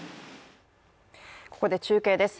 ここで中継です。